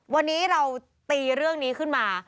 วันนี้เราตีเรื่องนี้ขึ้นมา